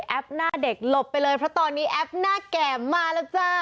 หน้าเด็กหลบไปเลยเพราะตอนนี้แอปหน้าแก่มาแล้วจ้า